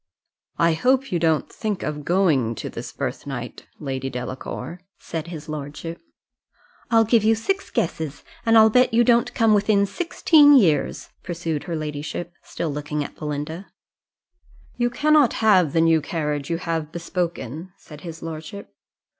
"I hope you don't think of going to this birth night, lady Delacour?" said his lordship. "I'll give you six guesses, and I'll bet you don't come within sixteen years," pursued her ladyship, still looking at Belinda. "You cannot have the new carriage you have bespoken," said his lordship.